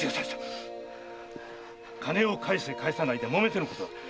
〔金を返せ返さないでもめてのことだ。